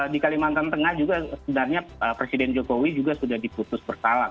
di kalimantan tengah juga sebenarnya presiden jokowi juga sudah diputus bersalah